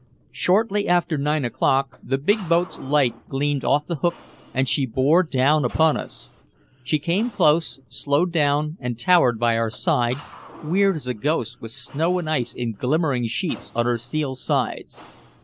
Shortly after nine o'clock the big boat's light gleamed off the Hook and she bore down upon us. She came close, slowed down and towered by our side, weird as a ghost with snow and ice in glimmering sheets on her steel sides.